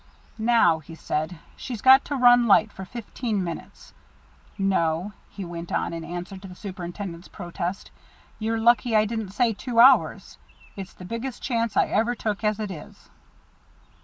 "Now," he said, "she's got to run light for fifteen minutes. No " he went on in answer to the superintendent's protest; "you're lucky I didn't say two hours. It's the biggest chance I ever took as it is."